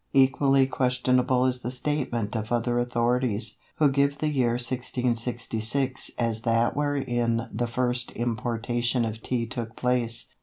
Equally questionable is the statement of other authorities, who give the year 1666 as that wherein the first importation of Tea took place.